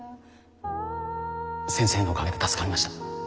先生のおかげで助かりました。